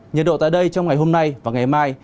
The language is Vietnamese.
nhiệt độ tại đây trong ngày hôm nay và ngày mai